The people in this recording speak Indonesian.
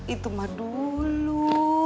itu mah dulu